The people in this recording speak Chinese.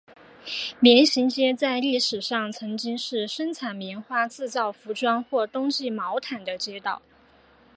棉行街在历史上曾经是生产棉花制造服装或冬季毛毯的街道。